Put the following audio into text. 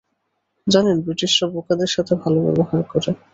জানেন, ব্রিটিশরা বোকাদের সাথে ভালো ব্যবহার করে।